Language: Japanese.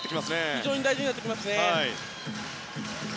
非常に大事になってきますね。